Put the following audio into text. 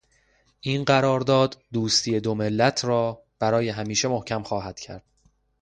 این قرار داد دوستی دو ملت را برای همیشه محکم خواهد کرد.